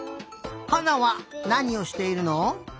はなはなにをしているの？